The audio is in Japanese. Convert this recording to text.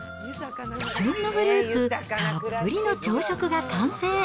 旬のフルーツたっぷりの朝食が完成。